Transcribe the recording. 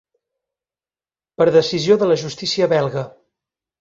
Per decisió de la justícia belga.